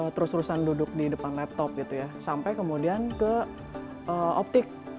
terus terusan duduk di depan laptop gitu ya sampai kemudian ke optik